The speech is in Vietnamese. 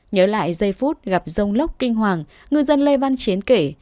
nhớ lại giây phút gặp rông lốc kinh hoàng ngư dân lê văn chiến kể